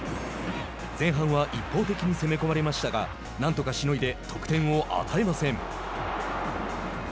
前半は一方的に攻め込まれましたがなんとかしのいで得点を与えません。